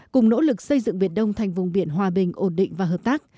cùng nỗ lực xây dựng biển đông thành vùng biển hòa bình ổn định và hợp tác